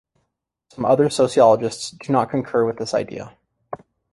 Some other sociologists do not concur with this idea.